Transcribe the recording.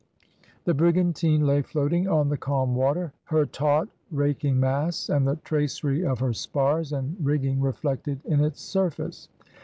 The brigantine lay floating on the calm water, her taunt, raking masts, and the tracery of her spars and rigging reflected in its surface.